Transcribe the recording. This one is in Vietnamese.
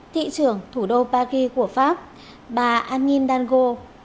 thị trưởng thủ đô paris của pháp bà annine dango